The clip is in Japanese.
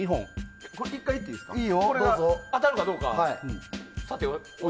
１回やっていいですか。